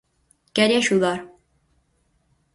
Quere axudar.